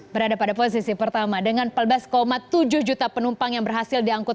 berada pada posisi pertama dengan empat belas tujuh juta penumpang yang berhasil diangkut